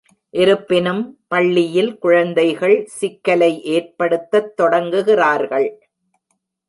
இருப்பினும், பள்ளியில் குழந்தைகள் சிக்கலை ஏற்படுத்தத் தொடங்குகிறார்கள்.